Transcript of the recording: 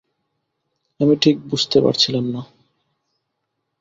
আমি ঠিক বুঝতে পারছিলাম না।